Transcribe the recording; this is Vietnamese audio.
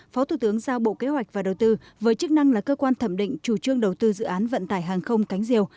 phó thủ tướng giao bộ kế hoạch và đầu tư với chức năng là cơ quan thẩm định chủ trương đầu tư dự án vận tải hàng không cánh diều